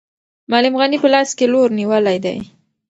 معلم غني په لاس کې لور نیولی دی.